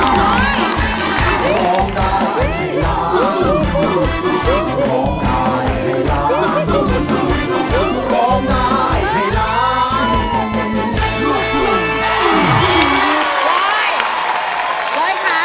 ร่องไปแล้วค่ะรักมือหนึ่ง